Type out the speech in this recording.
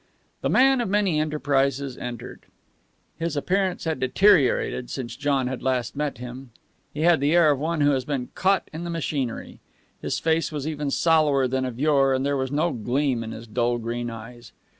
The man of many enterprises entered. His appearance had deteriorated since John had last met him. He had the air of one who has been caught in the machinery. His face was even sallower than of yore, and there was no gleam in his dull green eyes.